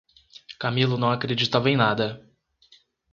Camilo não acreditava em nada.